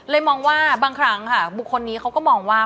มองว่าบางครั้งค่ะบุคคลนี้เขาก็มองว่า